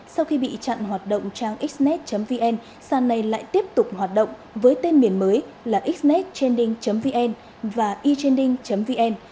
sau khi bị chặn hoạt động trang xnet vn sàn này lại tiếp tục hoạt động với tên miền mới là xnetchending vn và e chending vn